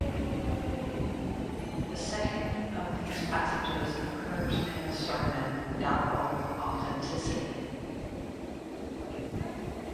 The second of these passages occurs in a sermon of doubtful authenticity.